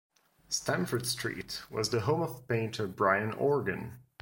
Stamford Street was the home of painter Bryan Organ.